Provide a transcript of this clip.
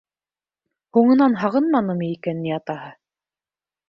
Һуңынан һағынманымы икән ни атаһы?